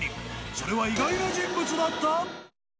それは意外な人物だった？